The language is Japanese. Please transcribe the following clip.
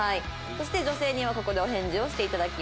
そして女性にはここでお返事をしていただきます。